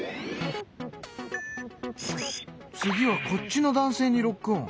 次はこっちの男性にロックオン。